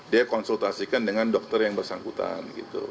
dia konsultasikan dengan dokter yang bersangkutan